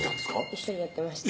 一緒にやってました